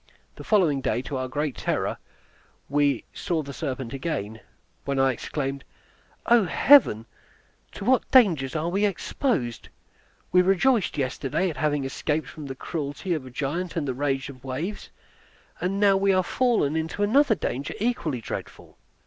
The following day, to our great terror, we saw the serpent again, when I exclaimed, "O Heaven, to what dangers are we exposed! We rejoiced yesterday at having escaped from the cruelty of a giant and the rage of the waves, now are we fallen into another danger equally dreadful."